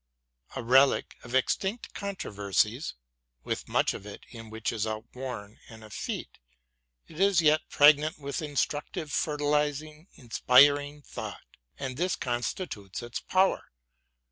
A relic of extinct controversies — ^with much in it which is outworn and effete — ^it is yet pregnant with instructive, fertilising, inspiring thought. 212 BROWNING AND BUTLER And this constitutes its power.